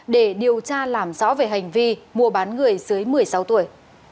để điều tra làm rõ về hành vi mua bán người dưới một mươi sáu tuổi